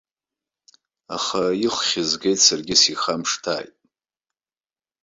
Аха, иххь згеит, саргьы сихамышҭааит.